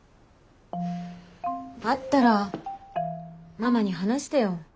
あったらママに話してよ。